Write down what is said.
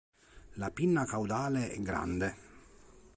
La pinna caudale è grande.